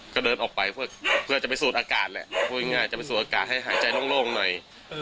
ก็เดินออกไปเพื่อจะไปสูดอากาศแหละพูดง่ายจะไปสูดอากาศให้หายใจโล่งหน่อย